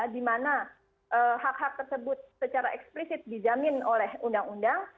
di mana hak hak tersebut secara eksplisit dijamin oleh undang undang